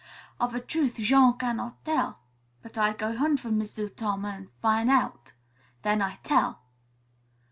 Of a truth, Jean cannot tell. But I go hunt for M'sieu' Tom an' fin' out. Then I tell."